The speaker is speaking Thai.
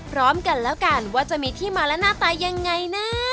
พร้อมกันแล้วกันว่าจะมีที่มาและหน้าตายังไงนะ